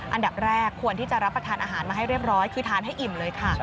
อันดับแรกควรที่จะรับประทานอาหารมาให้เรียบร้อยคือทานให้อิ่มเลยค่ะ